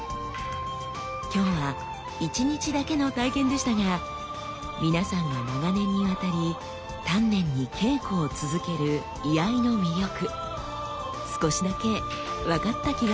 今日は一日だけの体験でしたが皆さんが長年にわたり丹念に稽古を続ける「居合」の魅力少しだけ分かった気がしますね。